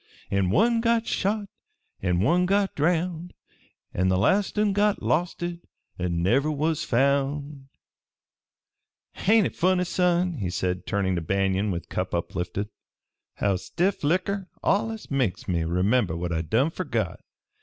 An' one got shot, an' one got drowned, An' th' last un got losted an' never was found_ "Ain't hit funny, son," said he, turning to Banion with cup uplifted, "how stiff likker allus makes me remember what I done fergot?